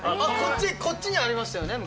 こっちにありましたよね昔。